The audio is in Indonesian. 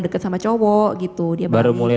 deket sama cowok gitu dia baru mulai